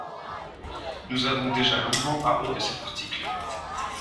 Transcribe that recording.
Nous avons déjà longuement parlé de cet article.